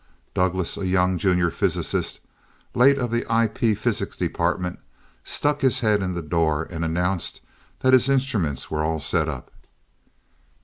Douglass, a young junior physicist, late of the IP Physics Department, stuck his head in the door and announced his instruments were all set up.